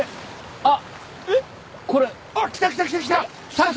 あっ！